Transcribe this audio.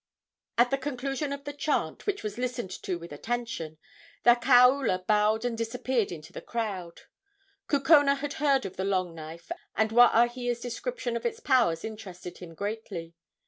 At the conclusion of the chant, which was listened to with attention, the kaula bowed and disappeared in the crowd. Kukona had heard of the long knife, and Waahia's description of its powers interested him greatly.